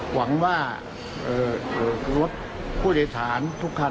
หวังว่ารถผู้โดยสารทุกคัน